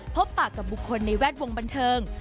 พบปากกับบุคคลในแวดวงบันเทิง